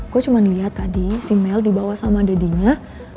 gue cuma liat tadi si mel dibawa sama dadinya